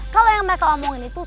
kalau yang mereka omongin itu